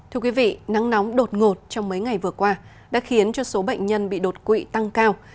thưa quý vị nắng nóng đột ngột trong mấy ngày vừa qua đã khiến cho số bệnh nhân bị đột quỵ tăng cao